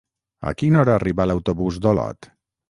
A quina hora arriba l'autobús d'Olot?